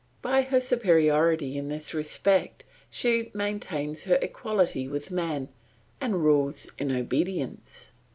By her superiority in this respect she maintains her equality with man, and rules in obedience.